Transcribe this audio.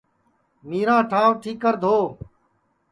مِیراں ٹھانٚوَ ٹھِیکر دھووَ